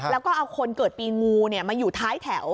แล้วก็เอาคนเกิดปีงูมาอยู่ท้ายแถว